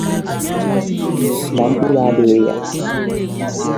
na mkpụrụ adịghị ya.